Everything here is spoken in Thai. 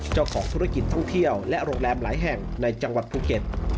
เจ้าของธุรกิจท่องเที่ยวและโรงแรมหลายแห่งในจังหวัดภูเก็ต